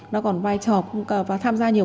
nó còn vai trò và tham gia nhiều